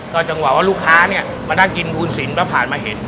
ก็จังหวะว่าลูกค้าเนี่ยมานั่งกินภูนสินแล้วผ่านมาเห็น